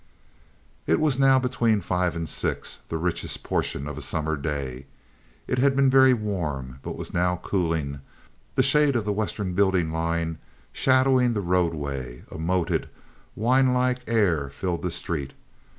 It was now between five and six, that richest portion of a summer day. It had been very warm, but was now cooling, the shade of the western building line shadowing the roadway, a moted, wine like air filling the street.